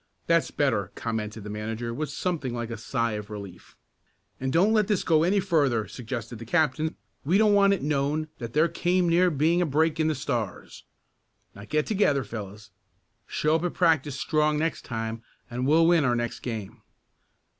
"That's better," commented the manager with something like a sigh of relief. "And don't let this go any further," suggested the captain. "We don't want it known that there came near being a break in the Stars. Now get together, fellows. Show up at practice strong next time, and we'll win our next game!"